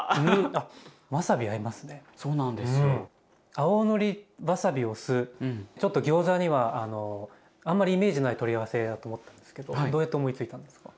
青のりわさびお酢ちょっとギョーザにはあんまりイメージのない取り合わせだと思ったんですけどどうやって思いついたんですか？